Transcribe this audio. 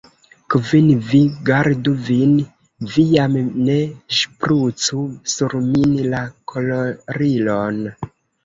Kvin, vi gardu vin, vi jam ne ŝprucu sur min la kolorilon.